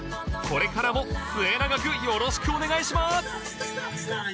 これからも末永くよろしくお願いします！